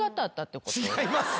違います。